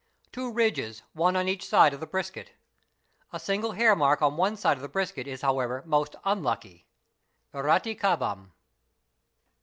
''wo ridges, one on each side of the brisket. A single hairmark on one side of the brisket is however most unlucky, (irattat kavam).